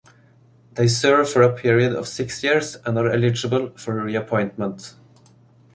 They serve for a period of six years and are eligible for re-appointment.